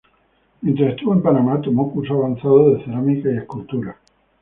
Mientras estuvo en Panamá tomó cursos avanzados de cerámica y escultura.